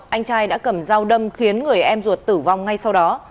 anh trai đã cầm dao đâm khiến người em ruột tử vong ngay sau đó